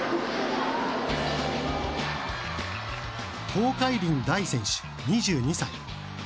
東海林大選手、２２歳。